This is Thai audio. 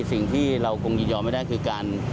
สิ่งที่เราคงยินยอมไม่ได้คือการ